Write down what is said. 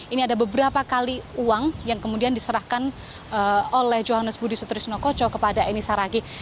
ini ada beberapa kali uang yang kemudian diserahkan oleh johannes budi sutrisno koco kepada eni saragi